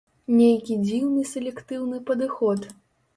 Нейкі дзіўны селектыўны падыход.